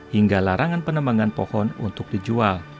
hingga larangan penembangan pohon untuk dijual